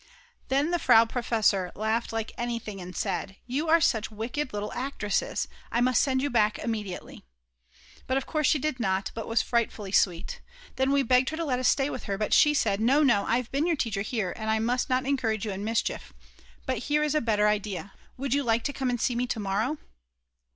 Then the Frau Professor laughed like anything and said: "You are such wicked little actresses; I must send you back immediately." But of course she did not but was frightfully sweet. Then we begged her to let us stay with her, but she said: "No, no, I've been your teacher here, and I must not encourage you in mischief. But here is a better idea. Would you like to come and see me to morrow?"